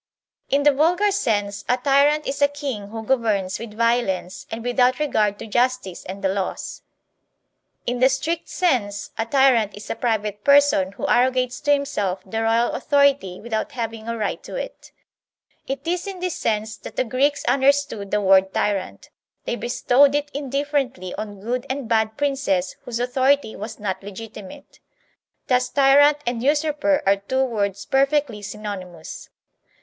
In the vulgar sense a tjrrant is a king who governs with violence and without regard to justice and the laws. In 78 THE SOCIAL CONTRACT the strict sense, a tyrant is a private person who arro gates to himself the royal authority without having a right to it It is in this sense that the Greeks under stood the word tyrant; they bestowed it indifferently on good and bad princes whose authority was not legitimate. Thus TYRANT and usurper are two words perfectly s)m onymous.